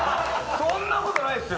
そんなことないですよ。